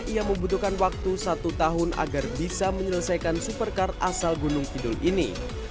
ia membutuhkan waktu satu tahun agar bisa menyelesaikan supercar asal gunung kidul ini